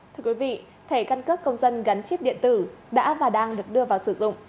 thưa quý vị thẻ căn cước công dân gắn chip điện tử đã và đang được đưa vào sử dụng